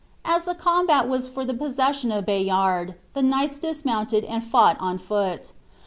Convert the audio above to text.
As the combat was for the possession of Bayard, the knights dismounted and fought on foot.